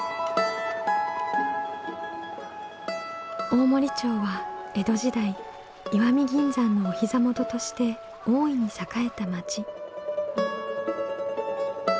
大森町は江戸時代石見銀山のお膝元として大いに栄えた町。